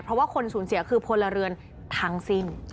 เพราะว่าคนสูญเสียคือพลเรือนทั้งสิ้น